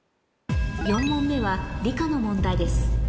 ４問目は理科の問題です